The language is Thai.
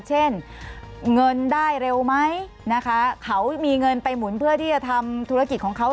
เช่นเงินได้เร็วไหมนะคะเขามีเงินไปหมุนเพื่อที่จะทำธุรกิจของเขา